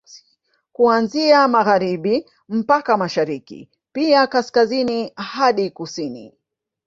Kuanzia Magharibi mpaka Mashariki pia Kaskazini hadi Kusini